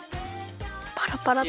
パラパラッと。